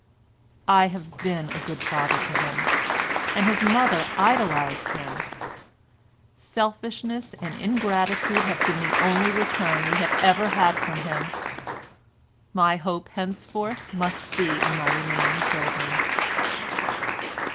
I have been a good father to him, and his mother idolised him; selfishness and ingratitude have been the only return we have ever had from him; my hope henceforth must be in my remaining children."